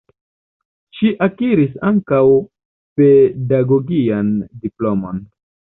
Ŝi akiris ankaŭ pedagogian diplomon.